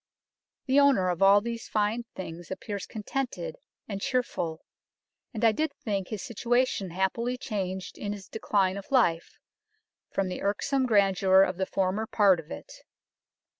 " The owner of all these fine things appears contented and chearfull, and I did think his Situation happily changed in his decline of life, from the irksome Grandeur of the former part of it.